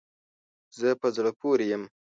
زه په زړه پوری یم